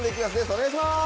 お願いします！